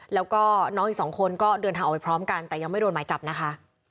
แล้วก็น้องอีกสองคนก็เดินทางออกไปพร้อมกันแต่ยังไม่โดนหมายจับนะคะ